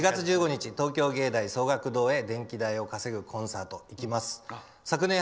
４月１５日、東京藝大奏楽堂へ「電気代を稼ぐコンサート」行きます。